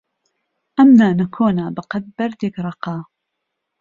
ئەم نانە کۆنە بەقەد بەردێک ڕەقە.